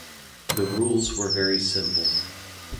The rules were very simple.